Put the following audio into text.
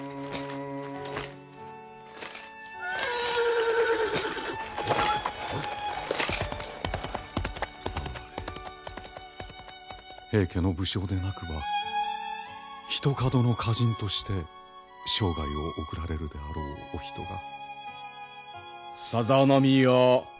あわれ平家の武将でなくばひとかどの歌人として生涯を送られるであろうお人が。